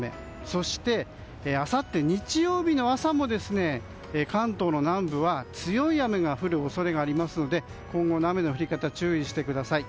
そして、あさって日曜日の朝も関東の南部は強い雨が降る恐れがありますので今後の雨の降り方に注意してください。